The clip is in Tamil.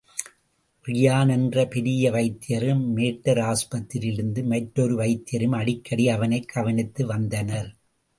ரியான் என்ற பெரிய வைத்தியரும், மேட்டர் ஆஸ்பத்திரியிலிருந்து மற்றொரு வைத்தியரும் அடிக்கடி அவனைக் கவனித்து வந்தனர்.